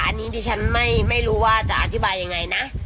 อันนี้ดิฉันไม่รู้ว่าจะอธิบายยังไงนะ